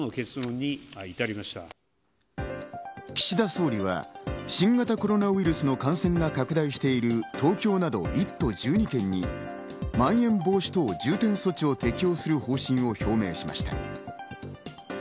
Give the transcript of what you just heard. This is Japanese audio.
岸田総理は新型コロナウイルスの感染が拡大している東京など１都１２県にまん延防止等重点措置を適用する方針を表明しました。